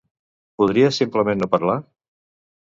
Podries simplement no parlar?